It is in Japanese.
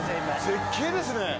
絶景ですね。